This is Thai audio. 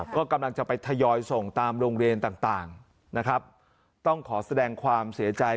ก็กำลังจะไปทยอยส่งตามโรงเรียนต่างต่างนะครับต้องขอแสดงความเสียใจ